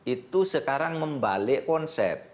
itu sekarang membalik konsep